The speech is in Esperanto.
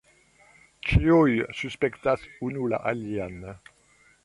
Ĉiuj suspektas unu la alian.